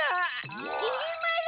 きり丸！